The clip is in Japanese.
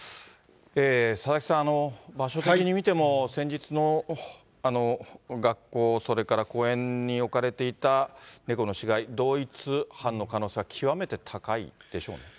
佐々木さん、場所的に見ても、先日の学校、それから公園に置かれていた猫の死骸、同一犯の可能性は極めて高いでしょうね。